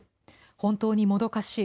本当にもどかしい。